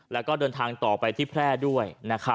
แล้วก็เดินทางต่อไปที่แพร่ด้วย